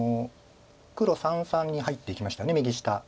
黒三々に入っていきましたね右下。